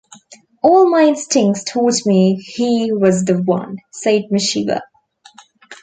"All my instincts told me he was the one," said Michiba.